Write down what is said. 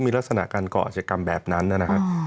มีลักษณะการก่ออาจกรรมแบบนั้นนะครับ